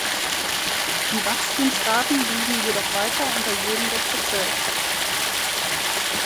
Die Wachstumsraten blieben jedoch weiter unter jenen des Bezirks.